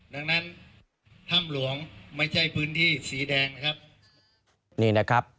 ดังนั้นถ้ำหลวงไม่ใช่พื้นที่สีแดงนะครับนี่นะครับ